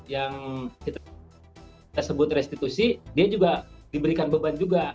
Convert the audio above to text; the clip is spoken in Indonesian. yang kita sebut restitusi dia juga diberikan beban juga